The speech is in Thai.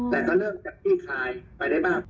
แต่ก็เริ่มจะคลี่คลายไปได้บ้าง